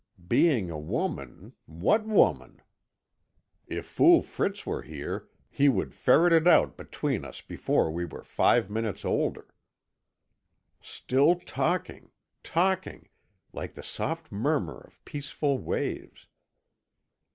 Being a woman, what woman? If Fool Fritz were here, we would ferret it out between us before we were five minutes older. "Still talking talking like the soft murmur of peaceful waves.